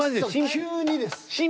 急にです。